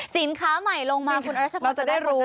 สินค้าใหม่ลงมาคุณเอิร์ชจะได้คนแรก